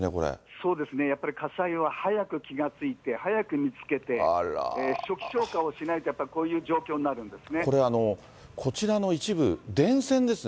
そうですね、やっぱり火災は早く気が付いて、早く見つけて、初期消火をしないと、やっぱりこういう状況になるんですね。